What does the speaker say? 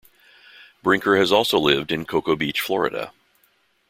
Brinker has also lived in Cocoa Beach, Florida.